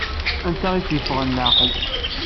Anta i tt-yeffɣen laɛqel?